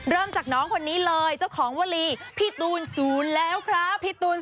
เริ่มจากน้องคนนี้เลยเจ้าของวลีพี่ตูนศูนย์แล้วครับ